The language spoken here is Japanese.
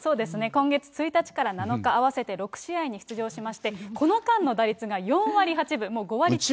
今月１日から７日、合わせて６試合に出場しまして、この間の打率が４割８分、もう５割近い。